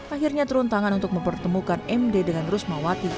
akhirnya turun tangan untuk mempertemukan md dengan rusmawati